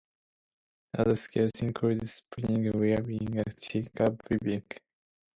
Other skills included spinning, weaving, and chicha brewing.